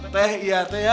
teh iya teh ya